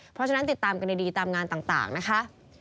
เพราะฉะนั้นติดตามกันดีตามงานต่างนะคะ